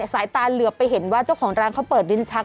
สายตาเหลือไปเห็นว่าเจ้าของร้านเขาเปิดลิ้นชัก